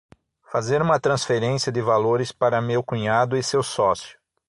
Fazer uma transferência de valores para meu cunhado e seu sócio